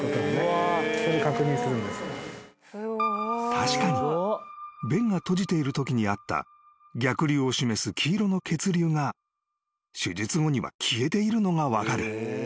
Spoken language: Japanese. ［確かに弁が閉じているときにあった逆流を示す黄色の血流が手術後には消えているのが分かる］